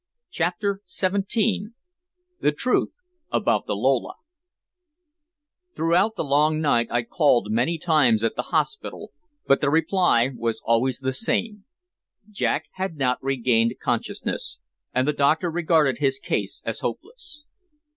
CHAPTER XVII THE TRUTH ABOUT THE "LOLA" Throughout the long night I called many times at the hospital, but the reply was always the same. Jack had not regained consciousness, and the doctor regarded his case as hopeless.